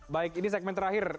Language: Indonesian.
baik ini segmen terakhir